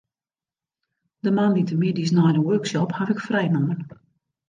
De moandeitemiddeis nei de workshop haw ik frij nommen.